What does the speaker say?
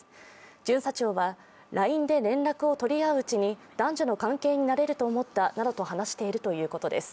巡査長は、ＬＩＮＥで連絡を取り合ううちに男女の関係になれると思ったなどと話しているということです。